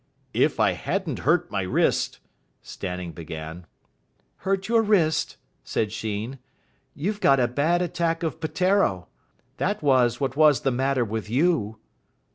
"If I hadn't hurt my wrist " Stanning began. "Hurt your wrist!" said Sheen. "You got a bad attack of Peteiro. That was what was the matter with you."